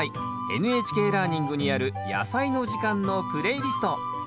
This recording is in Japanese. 「ＮＨＫラーニング」にある「やさいの時間」のプレイリスト。